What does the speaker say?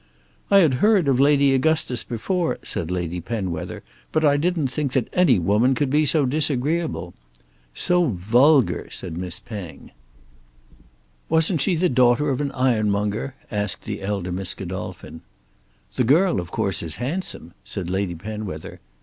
"I had heard of Lady Augustus before," said Lady Penwether, "but I didn't think that any woman could be so disagreeable." "So vulgar," said Miss Penge. "Wasn't she the daughter of an ironmonger?" asked the elder Miss Godolphin. "The girl of course is handsome," said Lady Penwether.